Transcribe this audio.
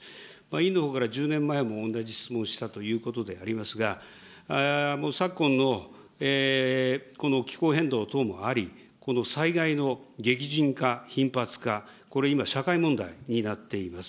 委員のほうからも、１０年前にも同じ質問したということでありますが、昨今のこの気候変動等もあり、この災害の激甚化、頻発化、これ、今、社会問題になっています。